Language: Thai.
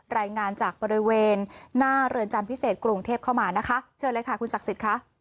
รายงานจากบริเวณหน้าเรือนจำพิเศษกรุงเทพเข้ามานะคะเชิญเลยค่ะคุณศักดิ์สิทธิ์ค่ะ